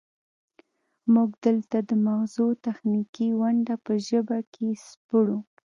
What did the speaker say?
موږ دلته د مغزو تخنیکي ونډه په ژبه کې سپړو